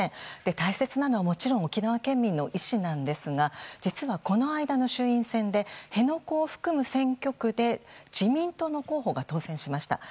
大切なのはもちろん沖縄県民の意思ですが実はこのあいだの衆院選で辺野古を含む選挙区で自民党の候補が当選しました。